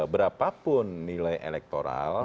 berapapun nilai elektoral